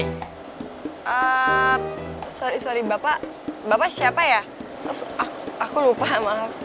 eee sorry sorry bapak bapak siapa ya aku lupa maaf